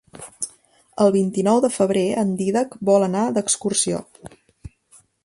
El vint-i-nou de febrer en Dídac vol anar d'excursió.